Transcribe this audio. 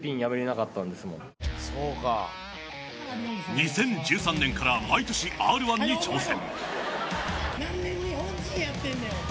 ２０１３年から毎年、Ｒ−１に挑戦。